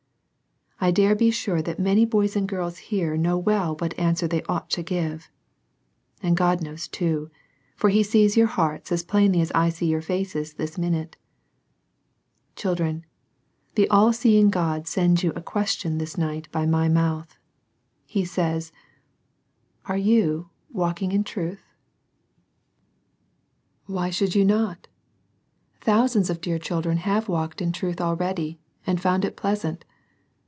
I dare be sure that many boys and girls here know well what answer they ought to give. And God knows to, for He sees your hearts as plainly as I see your faces this minute. Children, the all seeing God sends you a ques tion this night by my mouth : He says, — Arc you walking in truth i 32 SERMONS FOR CHILDREN. Why should you not? Thousands of dear children have walked in truth already, and found it pleasant.